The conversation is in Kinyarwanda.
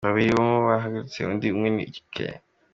Babiri muri bo barashatse, undi umwe yiga i Kigali.